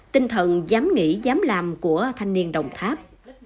tinh thần dám nghĩ dám làm của thanh niên đồng tháp